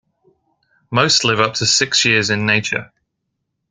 Most live up to six years in nature.